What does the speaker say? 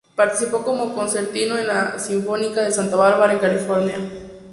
Participó como concertino en la Sinfónica de Santa Bárbara en California.